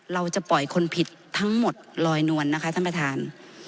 เราจะปล่อยคนผิดทั้งหมดลอยนวลนะคะท่านประธาน